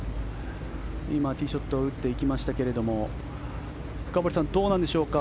今ティーショットを打っていきましたが深堀さん、どうなんでしょうか。